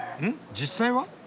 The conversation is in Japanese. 実際は？